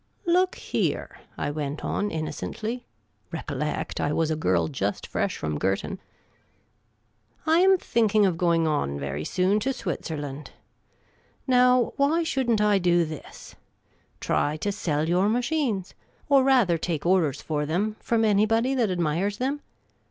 " Look here," I went on, innocently — recollect, I was a girl just fresh from Girton —" I am thinking of going on very soon to Switzerland. Now, why should n't I do this — try to sell your machines, or, rather, take orders for them, from The Amateur Commission Agent 93 anybody that admires them